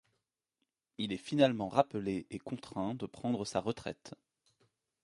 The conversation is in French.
Il est finalement rappelé et contraint de prendre sa retraite.